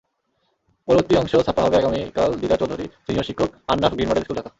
পরবর্তী অংশ ছাপা হবে আগামীকালদীদার চৌধুরী, সিনিয়র শিক্ষকআন-নাফ গ্রিন মডেল স্কুল, ঢাকা।